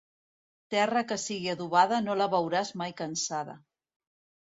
Terra que sigui adobada no la veuràs mai cansada.